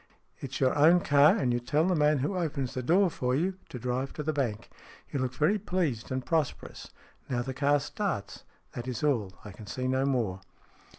It is your own car, and you tell the man who opens the door for you to drive to the bank. You look very pleased and pros perous. Now the car starts. That is all. I can see no more."